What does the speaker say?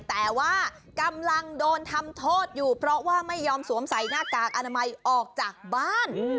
แต่ว่ากำลังโดนทำโทษอยู่เพราะว่าไม่ยอมสวมใส่หน้ากากอนามัยออกจากบ้าน